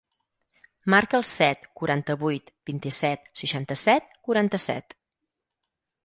Marca el set, quaranta-vuit, vint-i-set, seixanta-set, quaranta-set.